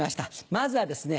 まずはですね